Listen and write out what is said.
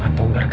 eh lo lanjut ya